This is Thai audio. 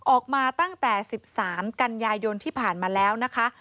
ออกมาตั้งแต่๑๓กันยายนที่ผ่านมาแล้วนะคะ